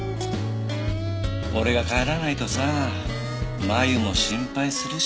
俺が帰らないとさあ麻友も心配するし。